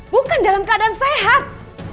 bukan dalam keadaan sehat